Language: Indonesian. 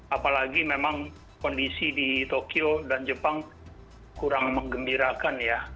apalagi memang kondisi di tokyo dan jepang kurang mengembirakan ya